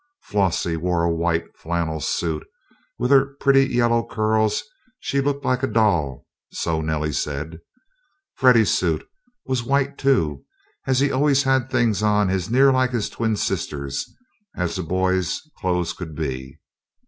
Flossie wore a white flannel suit, and with her pretty yellow curls, she "looked like a doll," so Nellie said. Freddie's suit was white too, as he always had things as near like his twin sister's as a boy's clothes could be.